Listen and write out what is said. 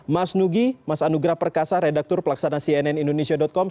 mas nugi mas anugrah perkasa redaktur pelaksana cnn indonesia com